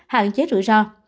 hạn chế rủi ro